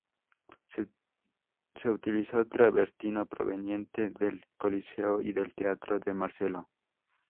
Se utilizó travertino proveniente del Coliseo y del Teatro de Marcelo.